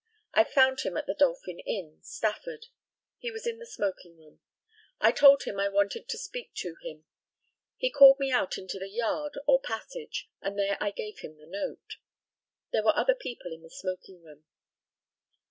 I found him at the Dolphin Inn, Stafford. He was in the smoking room. I told him I wanted to speak to him. He called me out into the yard or passage, and there I gave him the note. There were other people in the smoking room.